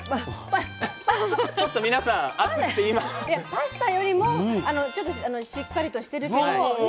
パスタよりもちょっとしっかりとしてるけどね